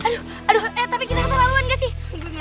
aduh eh tapi kita kena laluan gak sih